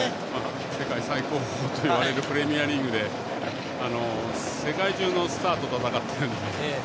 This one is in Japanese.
世界最高峰といわれるプレミアリーグで世界中のスターと戦っているので。